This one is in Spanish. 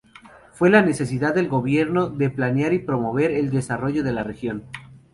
Fue la necesidad del gobierno de planear y promover el desarrollo de la región.